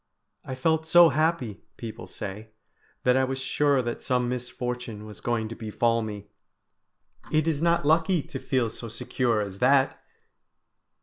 "I felt so happy," people say, "that I was sure that some misfortune was going to befall me it is not lucky to feel so secure as that!"